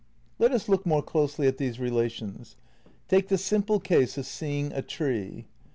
Let us look more closely at these relations. Take the simple case of seeing a tree.